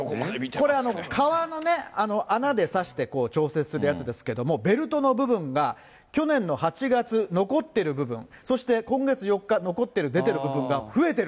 これ、革のね、穴でさして調整するやつですけど、ベルトの部分が、去年の８月、残ってる部分、そして今月４日、残ってる、出てる部分が増えてる。